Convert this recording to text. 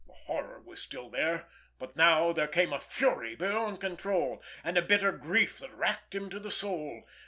The horror was still there, but now there came a fury beyond control, and a bitter grief that racked him to the soul.